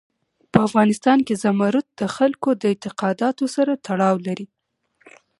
په افغانستان کې زمرد د خلکو د اعتقاداتو سره تړاو لري.